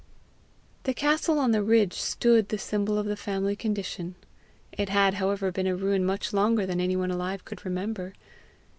The castle on the ridge stood the symbol of the family condition. It had, however, been a ruin much longer than any one alive could remember.